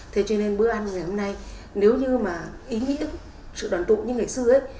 thế cho nên bữa ăn như ngày hôm nay nếu như mà ý nghĩa sự đoàn tụ như ngày xưa ấy